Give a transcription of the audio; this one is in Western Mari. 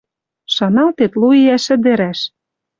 Шаналтет лу иӓш ӹдӹрӓш…